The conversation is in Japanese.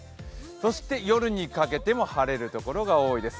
そして夜にかけても晴れるところが多いです。